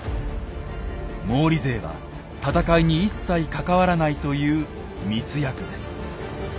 「毛利勢は戦いに一切関わらない」という密約です。